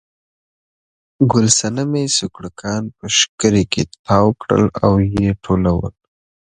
ګل صنمې سوکړکان په شکري کې تاو کړل او یې ټولول.